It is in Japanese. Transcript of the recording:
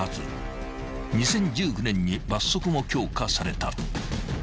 ２０１９年に罰則も強化された］